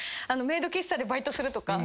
メイド喫茶でバイトするとか。